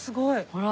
ほら。